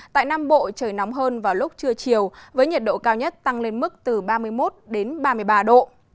tại nam bộ trời nóng hơn vào lúc trưa chiều với nhiệt độ cao nhất tăng lên mức từ ba mươi một ba mươi ba độ